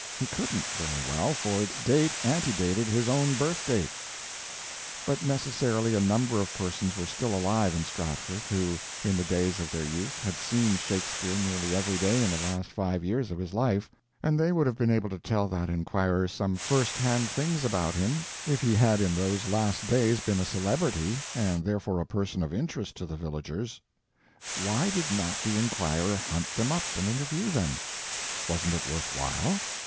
He couldn't, very well, for its date antedated his own birth date. But necessarily a number of persons were still alive in Stratford who, in the days of their youth, had seen Shakespeare nearly every day in the last five years of his life, and they would have been able to tell that inquirer some first hand things about him if he had in those last days been a celebrity and therefore a person of interest to the villagers. Why did not the inquirer hunt them up and interview them? Wasn't it worth while?